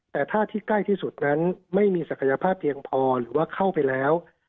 แต่ถ้าที่ใกล้ที่สุดนั้นไม่มีศักยภาพเพียงพอหรือว่าเข้าไปแล้ว